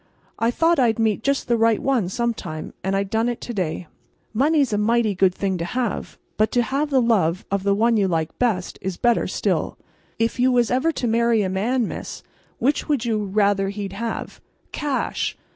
I thought I'd meet just the right one some time, and I done it to day. Money's a mighty good thing to have, but to have the love of the one you like best is better still. If you was ever to marry a man, Miss, which would you rather he'd have?" "Cash!"